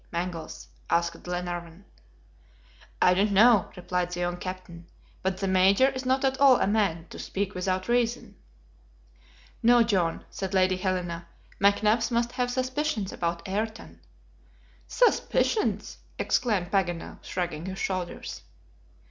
Mangles?" asked Glenarvan. "I don't know," replied the young captain; "but the Major is not at all a man to speak without reason." "No, John," said Lady Helena. "McNabbs must have suspicions about Ayrton." "Suspicions!" exclaimed Paganel, shrugging his shoulders.